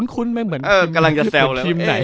คุ้นแม่งเหมือนทีมไหน